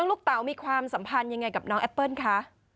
เต๋ามีความสัมพันธ์ยังไงกับน้องแอปเปิ้ลคะ